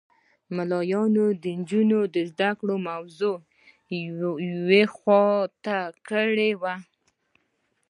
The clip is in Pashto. ملایانو د نجونو د زده کړو موضوع یوه خوا ته کړې وه.